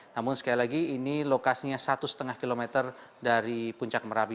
namun sekali lagi ini lokasinya satu lima km dari puncak merapi